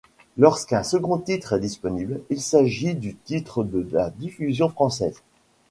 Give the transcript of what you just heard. Lorsqu'un second titre est disponible, il s'agit du titre de la diffusion française.